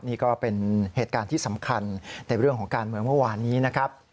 นี่ก็เป็นเหตุการณ์ที่สำคัญในเรื่องของการเมืองเมื่อวานนี้นะครับ